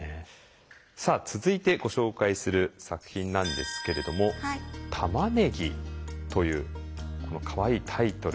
さあ続いてご紹介する作品なんですけれども「玉ねぎ」というこのかわいいタイトル。